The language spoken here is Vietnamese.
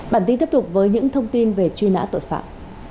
bản tin tiếp tục với những thông tin về truy nã tội phạm